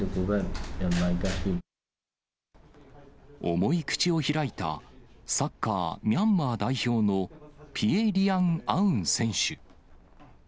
重い口を開いたサッカーミャンマー代表のピエ・リアン・アウン選手。